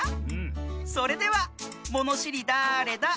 それでは「ものしりだれだ？」